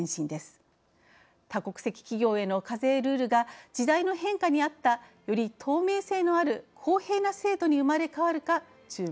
多国籍企業への課税ルールが時代の変化にあったより透明性のある公平な制度に生まれ変わるか注目されます。